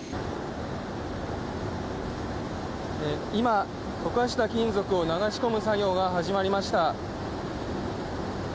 今、溶かした金属を流し込む作業が始まりました。